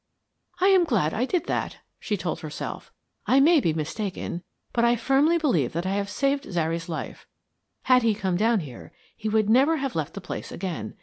"I am glad I did that," she told herself, "I may be mistaken, but I firmly believe that I have saved Zary's life. Had he come down here he would never have left the place again.